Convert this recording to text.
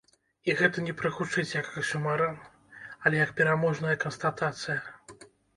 І гэта не прагучыць як аксюмаран, але як пераможная канстатацыя.